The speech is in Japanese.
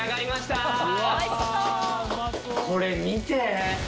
これ見て！